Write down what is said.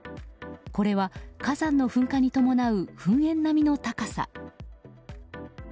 これは火山の噴火に伴う噴煙並みの高さ。